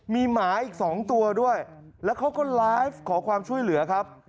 มีหมาอีก๒ตัวด้วยแล้วเขาก็ไลฟ์ขอความช่วยเหลือครับ